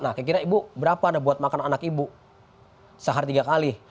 nah kira kira ibu berapa buat makan anak ibu sehari tiga kali